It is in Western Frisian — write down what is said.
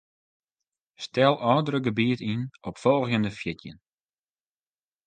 Stel ôfdrukgebiet yn op folgjende fjirtjin.